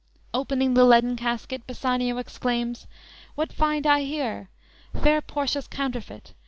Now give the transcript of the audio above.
"_ Opening the leaden casket, Bassanio exclaims: _"What find I here? Fair Portia's counterfeit.